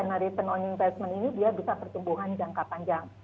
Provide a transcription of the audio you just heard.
karena return on investment ini dia bisa pertumbuhan jangka panjang